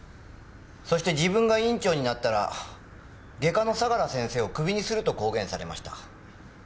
そして自分が院長になったら外科の相良先生をクビにすると公言されました。